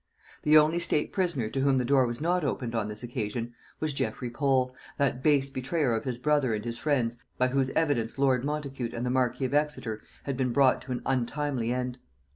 The only state prisoner to whom the door was not opened on this occasion was Geffrey Pole, that base betrayer of his brother and his friends by whose evidence lord Montacute and the marquis of Exeter had been brought to an untimely end.